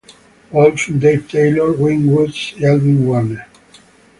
Wolf, Dave Taylor, Win Woods y Alvin Wagner.